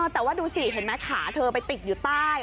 แต่ว่าดูสิเห็นไหมขาเธอไปติดอยู่ใต้